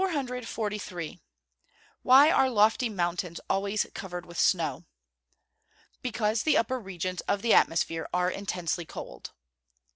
Why are lofty mountains always covered with snow? Because the upper regions of the atmosphere are intensely cold.